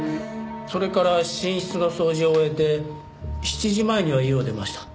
それから寝室の掃除を終えて７時前には家を出ました。